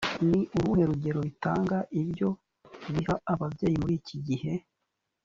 ni uruhe rugero bitanga ibyo biha ababyeyi muri iki gihe